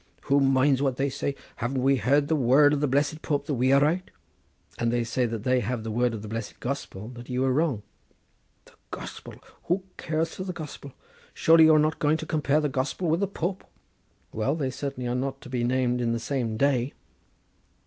who minds what they say? Havn't we the word of the blessed Pope that we are right?" "And they say that they have the word of the blessed Gospel that you are wrong." "The Gospel! who cares for the Gospel? Surely you are not going to compare the Gospel with the Pope?" "Well, they certainly are not to be named in the same day."